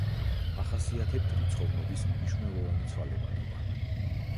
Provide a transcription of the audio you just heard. ახასიათებთ რიცხოვნობის მნიშვნელოვანი ცვალებადობა.